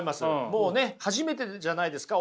もうね初めてじゃないですか？